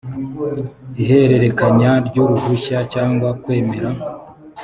ihererekanya ry uruhushya cyangwa kwemera